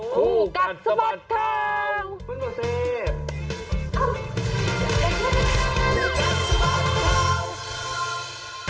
คู่กันสมัติข่าวฟื้นประเศษ